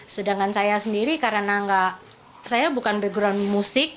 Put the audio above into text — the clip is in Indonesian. sedangkan saya sendiri karena saya bukan background musik